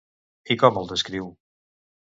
I com el descriu?